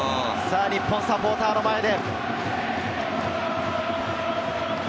日本サポーターの前で。